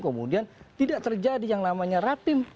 kemudian tidak terjadi yang namanya rapim